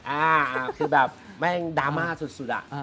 อ่าคือแบบแม่งดราม่าสุดอะ